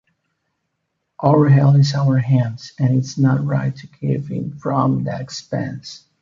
Our health is in our own hands and it’s not right to give in from that expense.